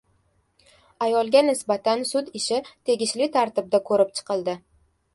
Ayolga nisbatan sud ishi tegishli tartibda ko‘rib chiqildi